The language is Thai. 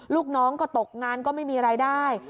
ลูกน้องก็ตกงานก็ไม่มีรายได้